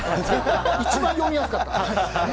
一番読みやすかった。